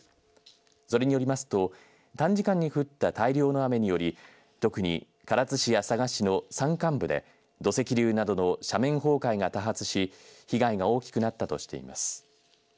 それによりますと短時間に降った大量の雨により特に唐津市や佐賀市の山間部で土石流などの斜面崩壊が多発し被害が大きくなったとしています。